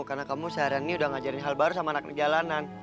karena kamu seharian ini udah ngajarin hal baru sama anak jalanan